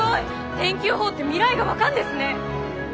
天気予報って未来が分かんですね！